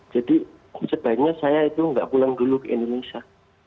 jadi sebaiknya saya itu tidak pulang dulu ke indonesia